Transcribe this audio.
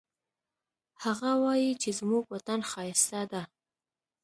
هغه وایي چې زموږ وطن ښایسته ده